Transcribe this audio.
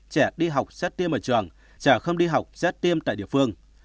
trẻ đi học sẽ tiêm ở trường trẻ không đi học sẽ tiêm tại địa phương